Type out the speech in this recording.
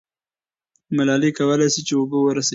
ملالۍ کولای سي چې اوبه ورسوي.